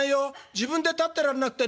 自分で立ってらんなくてね